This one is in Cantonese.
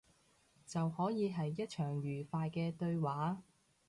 就可以係一場愉快嘅對話